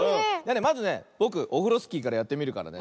まずねぼくオフロスキーからやってみるからね。